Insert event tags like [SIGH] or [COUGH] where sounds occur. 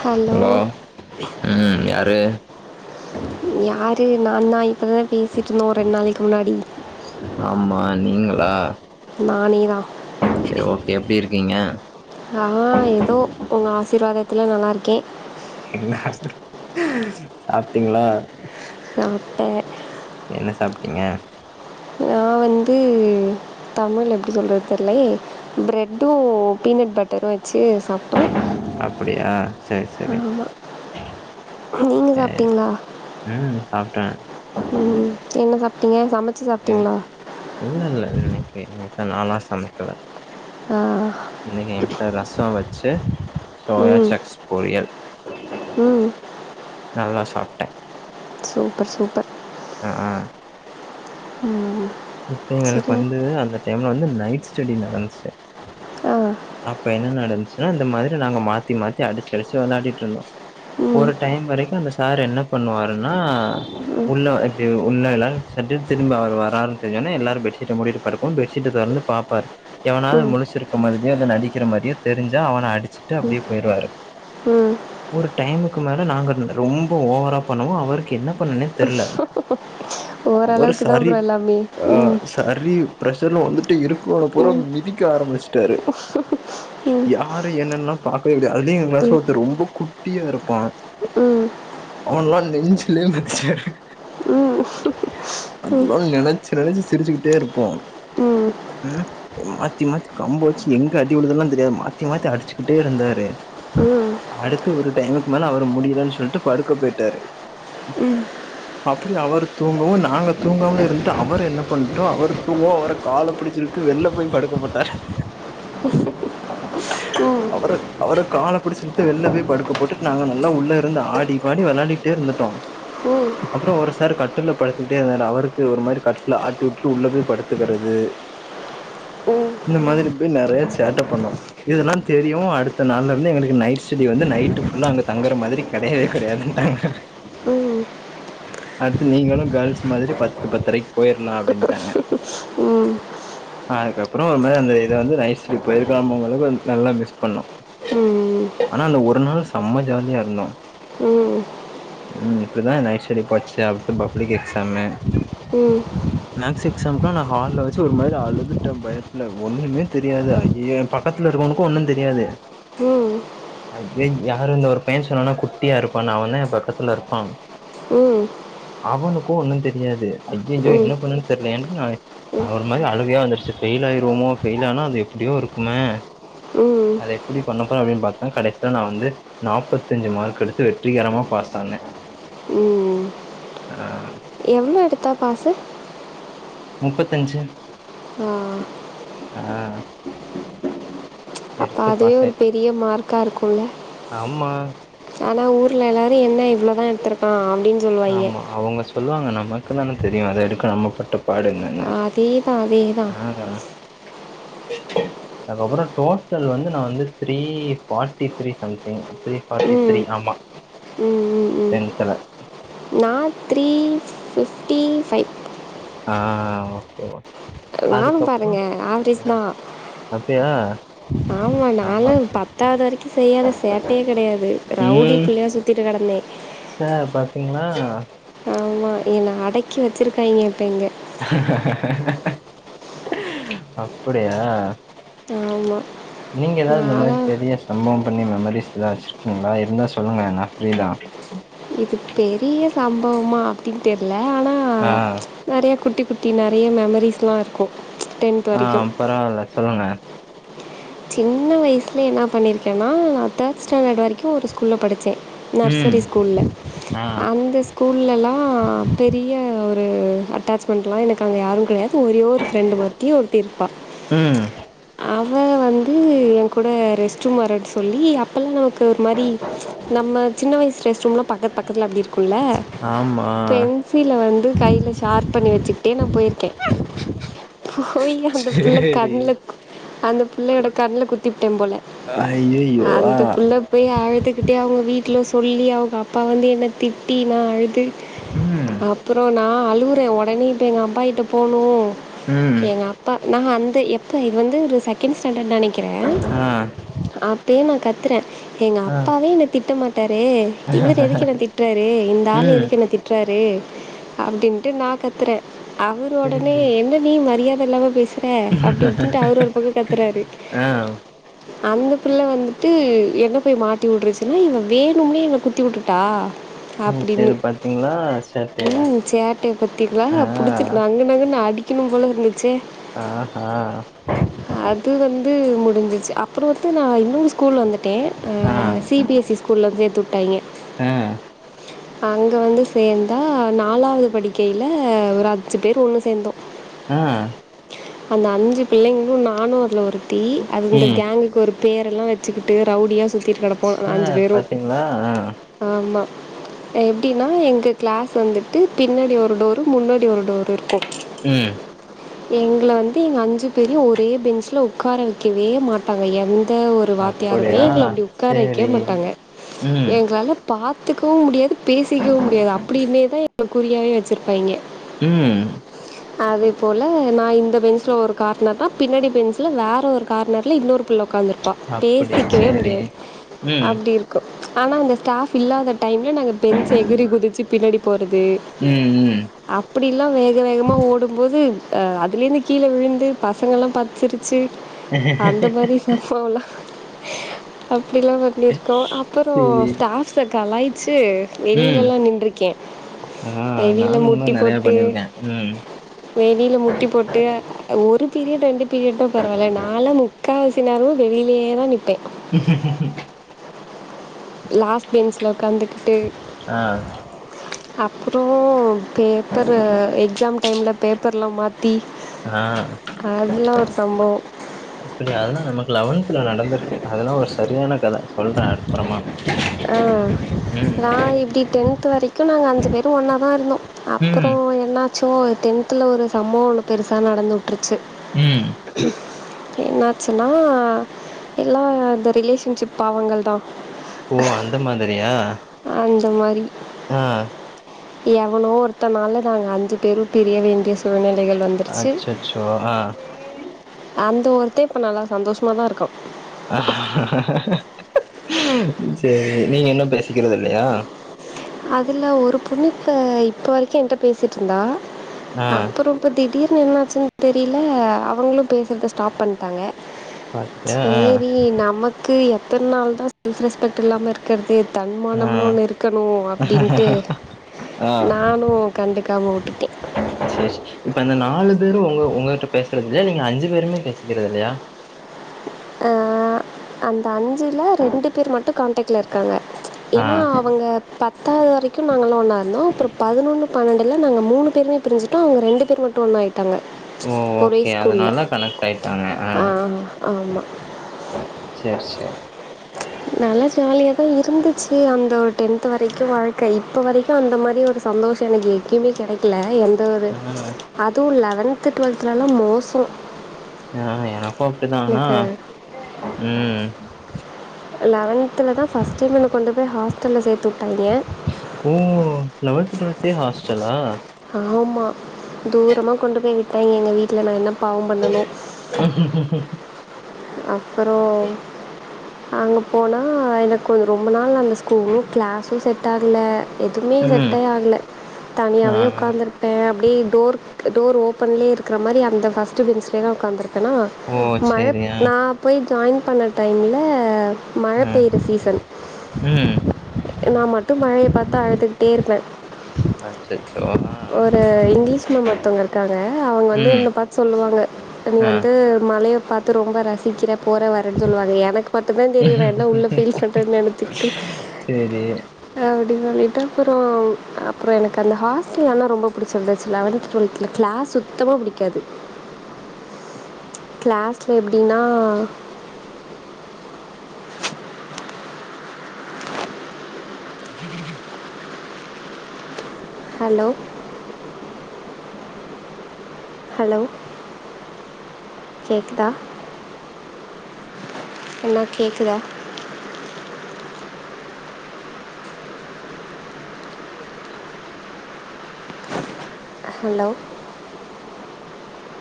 hello ம் யாரு யாரு நா தா இப்பதான் பேசிட்டு இருந்தே ஒரு ரெண் நாளைக்கு முன்னாடி ஆமா நீங்களா நானே தான் செரி ஓகே எப்டி இருக்கீங்க ஆ எதோ உங்க ஆசிர்வாதத்துல நல்லாருக்கே என்ன ஆசிர் சாப்ட்டீங்ளா சாப்டோ சேர் என்ன சாப்ட்டீங்க நா வந்து தமிழ் எப்டி சொல்றது தெர்ல பிர்ரெட்டும் பீனட் பட்டரும் வச்சு சாப்ட்டோம் அப்டியா சேர் ஆமா நீங்க சரி சாப்பிட்டீங்களா ம் சாப்ட்டே ம் என்ன சாப்ட்டீங்க சமைச்சு ம் சாப்ட்டீங்களா இல்ல இல்ல இன்னைக்கு நாளா சமைக்கல ஆ இன்னைக்கு எங்க வீட்ல ரசம் வச்சு சோயா ம் சாக்ஸ் பொரியல் ம் நல்லா சாப்ட்டேன் சூப்பர் சூப்பர் ஆ ஆ ம் ம் இப்ப எங்களுக்கு வந்து அந்த டைம்ல வந்து நைட் ஸ்டெடி நடந்துச்சு ஆ அப்ப என்ன நடந்துச்சுன்னா இந்த மாரி நாங்க மாத்தி மாத்தி அடிச்சு அடிச்சு விளையாடிட்டு இருந்தோம் ம் ஒரு டைம் வரைக்கும் அந்த சார் என்ன பண்ணுவாருன்னா உள்ள இப்டி உள்ளலா சட்டுனு திரும்பி அவர் வரார் திடீர்னு எல்லாரும் பெட்ஷீட்ட முடிட்டு படுப்பேம் பெட்ஷீட்டை தொறந்து பாப்பாரு எவனாவது ம் முழிச்சிருக்க மாதிரியும் இல்ல நடிக்கிற மாதிரியோ தெரிஞ்சா அவனை அடிச்சுட்டு அப்டியே போயிடுவாரு ம் ஒரு டைமுக்கு மேல நாங்க ரொம்ப ஓவரா பண்ணவு அவருக்கு என்ன பண்ணுனே தெர்ல அவரு ஓரளவுக்கு தான் சரி ப்ரோ எல்லாமே ஆ ம் சரி பிரஷர்னு வந்துட்டு இருக்குறவனபூறா ம் ம் மிதிக்க ஆரம்பிச்சுட்டாரு யாரு என்னல்லாம் பாக்கவே கடையாது அதுலையும் எங்க ம் ம் கிளாஸ் ரொம்ப குட்டியா இருப்பா ம் அவன்ல்லாம் நெஞ்சுலே மிதிச்சாரு அதல்லாம் நினைச் ச்சு நெனைச்சு சிரிச்சுக்கிட்டே இருப்போம் ம் மாத்தி மாத்தி கம்ப வச்சு எங்க அடிவுழுதல்லாம் தெரியாது மாத்தி மாத்தி அடிச்சுக்கிட்டே இருந்தாரு அடுத்து ஒரு டைமுக்கு மேல அவர் முடியலன்னு சொல்லிட்டு படுக்க போயிட்டாரு ம் அப்டி அவர் தூங்கவும் நாங்க தூங்கமா இருந் வந்துட்டு அவர் என்ன பண்டோம் அவர் தூங்கவும் அவர கால புடிச்சி இழுத்து வெள்ல போய் படுக்கப்போட்டார் ம் அவரு அவரை கால புடிச்சு இழுத்து வெள்ள போய் படுக்க போட்டுட்டு நாங்க நல்லா உள்ள இருந்து ஆடி பாடி விளாடி டோ இருந்துட்டோ அப்றோ ஒரு சார் கட்ல்ல படுத்துட்டே இருந்தாரு அவருக்கு ஒரு மாரி கட்ல ஆட்டி உட்டு உள்ள போய் படுத்துகிறது இந்த மாதிரி போய் நெறைய சேட்டப் பண்ணு இதுல்லா தெரியு அடுத்த நாள்லருந்து எங்ளுக்கு நைட் ஸ்டெடி வந்து நைட் ஃபுல்லா அங்க தங்குற மாதிரி கெடையவே கெடையாதுன்டாங்க ம் அடுத்து நீங்ளு கேல்ஸ் மாதிரி பத்து பத்ரைக்கு பொயிர்லா அப்டின்ட்டாங்க ம் அதுக்கப்றோ ஒரு மாரி அந்த இத வந்து நைஸ் பண்ணி பொயிருக்லாமோ அளவுக்கு நல்லா மிஸ் பண்ணு ம் ஆனா அந்த ஒரு நாள் செம்ம ஜாலியா இருந்தோ ம் ம் இப்டிதா நைட் ஸ்டடி போச்சு அடுத்தது பப்ளிக் எக்ஸாமு ம் மேக்ஸ் எக்ஸாம்க்லா நா ஹால்ல வச்சு ஒரு மாதிரி அழுதுட்டே பயத்துல ஒண்ணுமே தெரியாது ஐயோ பக்கத்துல இருக்கவனுக்கு ஒன்னு தெரியாது ம் அய்யய் யாரு இந்த ஒரு பைய சொன்னேனா குட்டியா இருப்பானு அவந்தா எ பக்கத்துலே இருப்பா ம் ம் அவனுக்கு ஒன்னு தெரியாது ஐய்யய்யோ என்ன பண்றதுணு தெர்லியேன்ட்டு நா ஒரு மாதிரி அழுகையா வந்துருச்சு ஃபெயில் ஆயிருவோமோ ஃபெயில் ஆனா அது எப்டியோ இருக்குமே அத எப்டி பண்ண போறே அப்டின்னு பாத்தா கடைசில நா வந்து நாப்பத்தி அஞ்சு மார்க் எடுத்து வெற்றிகரமாக பாஸ் ஆனே ம் அ எவ்வளோ எடுத்தா பாஸ்ஸூ முப்பத்தஞ்சு ஆ அ அப்ப அது ஒரு பெரிய மார்க்காக இருக்குல்ல ஆமா ஆனா ஊர்ல எல்லாரு என்ன இவ்ளோதா எடுத்ருக்கா ஆமா அவுங்க சொல்லுவாங்க நமக்கு தான தெரியு அதுக்கு எடுக்க நம்ம பட்ட பாடு என்ன னு அதே தான் அதே தான் அஹ [INAUDIBLE] அதுக்கு அப்றோ டோட்டல் வந்து நா வந்து three forty three something three forty ம் த்ரீ ஆமா ம் ம் ம் டென்துல நான் த்ரீ ஃபிஃப்டி ஃபைவ் ஆ ஓகே மா அதுக்கு நானும் அப்றோ பாருங்கள் ஆவரேஜ் அ அப்டியா ஆமா நால்லா பத்தாவது வரைக்கு செய்யாத சேட்டையே கெடையாது ரவுடி ம் பிள்ளையா சுத்திட்டு கெடந்தே சார் பாத்திங்ன்னா ஆமா என்னா அடக்கி வச்சுருக்காங்க இப்போ இங்க [INAUDIBLE] அப்டியா ஆமாம் நீங்க ஏதாவ்து இந்த மாதிரி நான்லாம் பெரிய சம்பவோ பண்ணி மெமரிஸ் எதாச்சு வச்சிருக்கீங்ளா இருந்தா சொல்லுங்க நா ஃப்ரிதா இது பெரிய சம்பவமா அப்படின்னு தெரில ஆனா ஆ நறையா குட்டி குட்டி நறையா மெமரீஸ்லா இருக்கூ ஆ பரவால்ல சொல்லுங்க சின்ன வயசில என்னா பண்ணியிருக்கேன்னா நா தேர்ட் ஸ்டாண்டர்ட் வரைக்கு ஒரு ஸ்கூல்ல் படிச்சே ம் நர்சரி ஸ்கூல்ல ஆ அந்த ஸ்கூல்லலா பெரிய ஒரு அட்டாச்மெண்ட்லா எனக்கு அங்க யாரு கெடையாது எனக்கு ஒரே ஒரு ஃப்ரெண்ட் மத்தி ஒருத்தி இருப்பா ம் அவ வந் அது ஏங்கூட ரெஸ்ட் ரூம் வரன்ன சொல்லி அப்பல்லா நமக்கு ஒரு மாறி நம்ம சின்ன வயசு ரெஸ்ட்ரூம் எல்லா பக்கத்து பக்கத்துல அப்டி இருக்கும்ல்ல ஆமாம் பென்சில வந்து கையில ஷார்ப் பண்ணி வச்சுக்கிட்டே நா போயிருக்கேன் போய் அந்த பிள்ள சரி கண்ல குத் அந்த பிள்ளையோட கண்ல குத்திபுட்டே போல ஐயோ ஆ அந்த புள்ள போய் அழுதுக்கிட்டே அவங்க வீட்ல சொல்லி அவங்க அப்பா வந்து என்னை திட்டி நா அழு து ம் அப்றோ நா அழுவுறே ஒடனே இப்ப எங்க அப்பாகிட்ட போனு ம் எங்க அப்பா நா எப்ப இது வந்து ஒரு செகண்ட் ஸ்டாண்டர்ட் நினைக் அ அப்பயே நா கத்துற எங் ஆ அப்பாவே என்ன திட்ட மாட்டாரு இவர்ரு எதுக்கு என்ன திட்டுறாரு இந்த ஆள் ம் எதுக்கு என்ன திட்டுறாரு அப்டின்ட்டு நா கத்துறே அவர் ஒடன்னே சேரி என்ன நீ மரியாத இல்லாம பேசுற அப்டின்ட்டு அவரு ஒரு பக்க கத்துறாரு அ அந்த பிள்ள வந்துட்டு என்ன போய் மாட்டி விட்ருச்சுன்னு இ வேணும்னே என்ன குத்தி உட்டுட்டா சேரி அப்டின்னு சேரி பாத்தீங்களா ஷர்ட்டு ம் சேட்டைய பாத்திங்களா ஆ புடுச்சிட்டு நங்கு நங்குன்னு அடி க்கணு போல இருந்துச்சே ஆ ஹ அது வந்து முடிஞ்சிச்சு அப்றோ வந்து நா ஸ்கூல் வந்துட்டே அ ஆ சி பி எஸ் சி ஸ்கூல்ல வந்து சேர்த்து உட்டாய்ங்க ஆ அங்க வந்து சேர்ந்தா நாலாவது படிக்கையில ஒரு அஞ்சு பேர் ஒண்ணு சேர்ந்தோ அ அந்த அஞ்சு பிள்ளைங்களு நானு அதுல ஒருத்தி அது இந்த ம் கேங்குக்கு ஒரு பேரெல்லா வச்சுக்கிட்டு ரவுடியா சுத்திகிட்டு கெடப்போ ச அஞ்சு பேரு பாத்தீங்களா ஆ ஆமா எப்டின்னா எங்க கிளாஸ் வந்துட்டு பின்னாடி ஒரு டோரு முன்னாடி ஒரு டோர் இருக்கூ ம் எங்கள வந்து எங்க அஞ்சு பேரையு ஒரே பெஞ்ச்ல உக்கார வைக்கவே மாட்டாங்க எந் எந்த ஒரு வாத்தியாருமே அப்படியா எங்கள அப்டி உட்கார வைக்கவே சேரி மாட்டாங்க ம் எங்களால பார்த்துக்கவு முடியாது பேசிக்கவு முடியாது அப்டின்னே தா இப்ப குறியாயி வச்சுருப்பாய்ங்க ம் அதே போல நா இந்த பெஞ்சுல ஒரு கார்னர் தா பின்னாடி பெஞ்ச் வேற ஒரு கார்னர்ல இன்னொரு பிள்ள உட்கார்ந்துருப்ப அப்படியா பேசிக்கவே சேரி முடியாது ம் அப்டி இரு க்கு ஆனா அந்த ஸ்டாஃப் இல்லாத டைம்ல நாங்க பெஞ்ச் எகுறி குதிச்சு பின்னாடி போறது ம் ம் அப்டிலா வேக வேகமா ஓடும்போது அதுலேருந்து கீழே விழுந்து பசங்க எல்லா பாத்து சிருச் சு அந்த மாரி சம்பவோ எல்லா அப்டிலா வர் இப்டி இருக்கோ அப்றோ சேரி ஸ்டாஃப்ஸ கலாய்ச்சு ம் வெளிலல்லா நின்ருக்கே ஆ வெளில நானு இந்த முட்டி மாரி நெறைய போட்டு பண்ணிருக்கே ம் வெளில முட்டி போட்டு ஒரு பீரியடு ரெண்டு பீரியடுனா பரவால்ல நாலா மு க்காவாசி நேரோ வெளிலேதா நிப்பே ம் லாஸ்ட் பென்ஸ்ல உக்காந்துகிட்டு ஆ அப்புறோ பேப்பரு எக்ஸாம் டைம்ல பேப்பர்லா மாத் தி அதுலா ஒரு சம்பவோ அப்டியா அதெல்லா நமக்கு லவன்த்துல நடந்திருக்கு அதெல்லா ஒரு சரியான கத சொல்றேன் அப்புறமா ஆ ம் நாங்க இப்டி டென்த்து வரைக்கு நாங்க அஞ்சு பேரூ ஒன்னாதா இருந்தோ ம் அப்புறோ என்னாச்சுங்க ஒரு டென்த்துல ஒரு சம்பவோ ஒன்னு பெருசா நடந்து உட்ருச்சு ம் என்னாச்சுனா எல்லா இந்த ரிலேஷன்ஷிப் பாவங்கள்தா ஓ அந்த மாதிரியா அந்த மாரி ஆ எவனோ ஒருத்தனால நாங்க அஞ்சு பேரு பிரிய வேண்டிய சூழ்நிலைகள் வந் அச்சச்சோ ஆ அந்த ஒருத்தன் இப்ப நல்லா சந்தோஷ்மாதா இருக்கான் சேரி நீங்க இன்னு பேசிக்கறது இல்லயா அதுல ஒரு பொண்ணு இப்ப இப்போ வரைக்கு என்ட்ட பேசிட்ருந்தா ஆ அப்புறோ இப்ப திடீர்னு என்னாச்சுன் தெரில அவங்களு பேசுறத ஸ்டாப் பண்ட்டாங்க பாத்தியா ஆ சேரி நமக் கு எத்தன் நாள்தா செல்ஃப் ரெஸ்பெக்ட் இல்லாம இருக்கற்து ஆ தன்மானமு ஒன்னு இருக்கணு அப் டின்ட்டு நானு கண்டுக்காம உட்டுட்டே சேர் சேர் இப்ப அந்த நாலு பேரு ஒங்க ஒங்ககிட்ட பேசுறது இல்லயா நீங்க அஞ்சு பேருமே பேசிக்கிறது இல்லயா ஆ அந்த அஞ்சுல ரெண்டு பேர் மட்டு கான்டெக்ட்ல இருக்காங்க ஆ ஏனா அவுங்க பத்தாவ்து வரைக்கு நாங்களா ஒன்னா இருந்தோ அப்றோ பதினொன்னு பணண்டுல நாங்க மூணு பேருமே பிரிஞ்சிட்டோ அவுங்க ரெண்டு பேரு மட்டு ஒன்னாய் ட்டாங்க ஒரே ஸ்கூல்ல போய்ட்டாங்க ஆ சேர் சேர் நல்லா ஜாலியாதா இருந்துச்சு அந்த ஒரு டென்த்து வரைக்கு வாழ்க்கை இப்போ வரைக்கு அந்த மாரி ஒரு சந்தோஷோ எனக்கு எங்கேமே கெடைக் ல எந்த ஒரு ஆ அது லெவன்த்து டுவெல்த்துலலா மோசோ ஆ எனக்கு அப்டிதா ஆனா எனக்கு ம் லவன்த்திலதா ஃபஸ்ட்டு என்னன்ன கொண்டு போய் ஹாஸ்டல்ல சேத்து உட்டாய்ங்க ஓ லெவன்த்து டுவெல்த்தே ஹாஸ்டலா ஆமா தூரமா கொண்டு போய் விட்டாய்ங்க எங்க வீட்ல நா என்ன பாவோ பண்ணனோ அப்புறோ அங்க போனா எனக்கு ரொம்ப நாள் அந்த ஸ்கூலு கிளாஸு செட்டாகுல எதுமே ம் செட்டே ஆகல ஆ தனியாவே ஒக்காந்துருப் பே அப்டியே டோர்க் டோர் ஓப்பன்லே இருக்ற மாரி அந்த ஃபஸ்ட்டு பென்ஸ்லேதா ஒக்காந்துருப் பனா ஓ மழ சேரி ஆ நா போய் ஜாய்ன் பண்ண டைம்ல மழ ஆ பெய்ற சீசன் ம் நா மட்டு மழைய பாத்து அழுதுகிட்டே இருப்ப ஆ சேர் ஒரு இங்லீஷ் மேம் ஒருத்தவ்ங்க இருக்காங்க அவுங்க வந்து ம் என்ன பாத் சொல்லுவாங்க நீ ஆ வந்து மழைய பாத்து ரொம்ப ரசிக்கிற போற வரனு சொல்லுவாங்க எனக்கு மட்டுந்தா தெரியு இவ என்ன உள்ள ஃபீல் பண்ற நெனச்சிக்ட்டு சேரி அ அப்டின் சொல்லிட்டு அப்பறோ ம் அப்பற எனக்கு அந்த ஹாஸ்டல் ஆனா ரொம்போ புடிச்சிருந்துச்சு லெவன்த்து டுவெல்த்துல கிளாஸ் சுத்தமா புடிக்காது கிளாஸ்ல எப்டினா ஹலோ ஹலோ கேக்குதா அண்ணா கேக்குதா ஹலோ